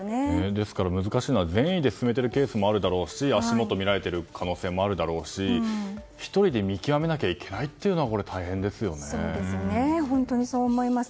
ですから難しいのは善意で進めているケースもあるだろうし足元を見られている可能性もあるだろうし１人で見極めなきゃいけないのが本当にそう思います。